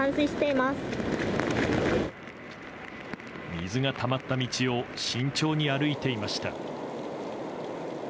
水がたまった道を慎重に歩いていました。